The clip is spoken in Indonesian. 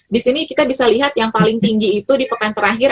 di sini kita bisa lihat yang paling tinggi itu di pekan terakhir